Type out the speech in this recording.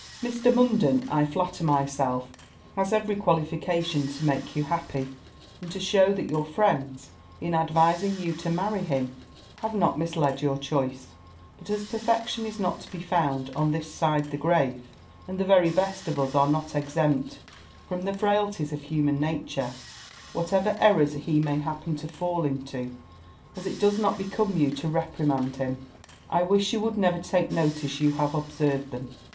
'Mr. Munden, I flatter myself, has every qualification to make you happy, and to shew that your friends, in advising you to marry him, have not misled your choice: but as perfection is not to be found on this side the grave, and the very best of us are not exempt from the frailties of human nature, whatever errors he may happen to fall into, as it does not become you to reprimand him, I wish you would never take notice you have observed them.